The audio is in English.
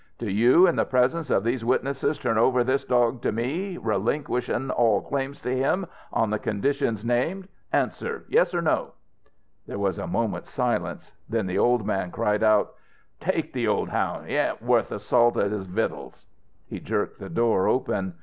"Do you, in the presence of these witnesses, turn over this dog to me, relinquishin' all claims to him, on the conditions named? Answer Yes or No?" There was a moment's silence; then the old man cried out: "Take the old hound! He ain't wuth the salt in his vittles!" He jerked the door open.